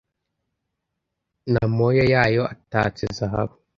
n’amoya yayo atatse zahabu